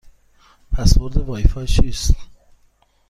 پسورد وای فای چیست؟